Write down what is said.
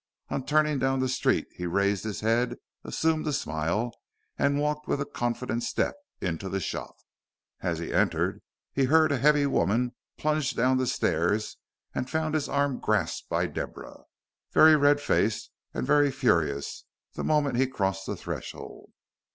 On turning down the street he raised his head, assumed a smile and walked with a confident step into the shop. As he entered he heard a heavy woman plunge down the stairs, and found his arm grasped by Deborah, very red faced and very furious, the moment he crossed the threshold.